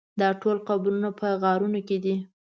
دا ټول قبرونه په غارونو کې دي.